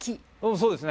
そうですね。